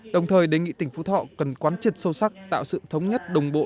đồng thời đề nghị tỉnh phú thọ cần quán triệt sâu sắc tạo sự thống nhất đồng bộ